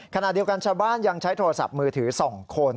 ขณะเดียวกันชาวบ้านยังใช้โทรศัพท์มือถือ๒คน